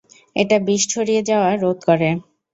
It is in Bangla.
এটা বিষ ছড়িয়ে যাওয়া রোধ করে।